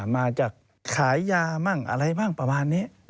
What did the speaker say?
มาจากขายยาบ้างอะไรบ้างประมาณนี้